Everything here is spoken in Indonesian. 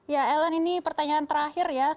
ya ellen ini pertanyaan terakhir ya